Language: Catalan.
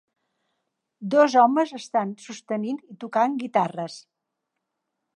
Dos homes estan sostenint i tocant guitarres.